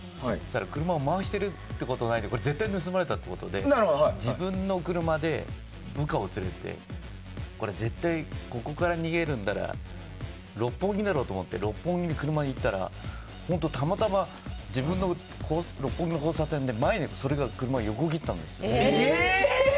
車を回してるっていうことはないので絶対盗まれたってことで自分の車で部下を連れて絶対ここから逃げるなら六本木だろうと思って六本木に車で行ったら本当にたまたま六本木の交差点で自分の前をその車が横切ったんですよ。